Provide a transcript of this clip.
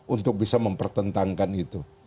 untuk bisa mempertentangkan itu